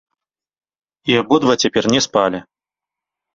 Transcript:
І абодва цяпер не спалі.